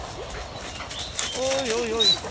おーいおいおい。